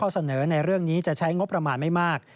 เสนอในเรื่องนี้จะใช้งบประมาณไม่มาก